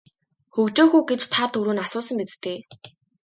Хөгжөөх үү гэж та түрүүн асуусан биз дээ.